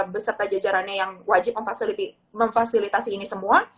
beserta jajarannya yang wajib memfasilitasi ini semua